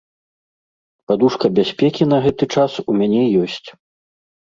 Падушка бяспекі на гэты час у мяне ёсць.